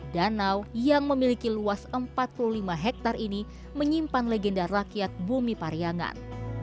danau yang memiliki luas empat puluh lima hektare ini menyimpan legenda rakyat bumi pariangan